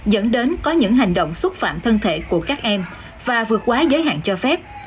dẫn đến có những hành động xúc phạm thân thể của các em và vượt quá giới hạn cho phép